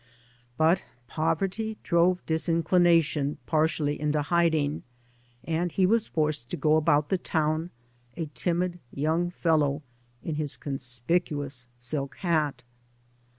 But poverty drove disinclination partially into hiding, and he was forced to go about the town, a timid young fellow in his conspicuous silk hat.